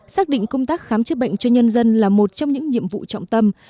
xác định công tác khám chữa bệnh cho nhân dân là một trong những nhiệm vụ trọng tâm